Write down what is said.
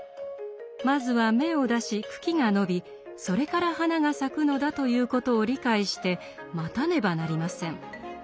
まずは芽を出し茎が伸びそれから花が咲くのだということを理解して待たねばなりません。